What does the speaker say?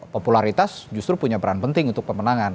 popularitas justru punya peran penting untuk pemenangan